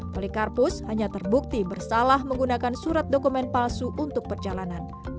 polikarpus hanya terbukti bersalah menggunakan surat dokumen palsu untuk perjalanan